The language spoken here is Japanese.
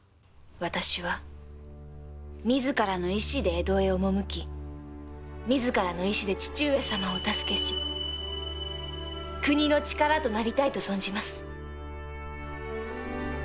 私は自らの意思で江戸へ赴き自らの意思で父上様をお助けし国の力となりたいと存じます。